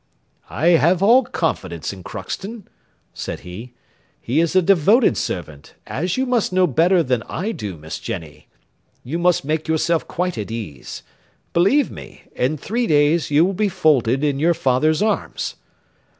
"I have all confidence in Crockston," said he; "he is a devoted servant, as you must know better than I do, Miss Jenny. You must make yourself quite at ease; believe me, in three days you will be folded in your father's arms."